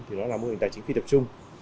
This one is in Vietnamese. thì đó là mô hình tài chính phi tập trung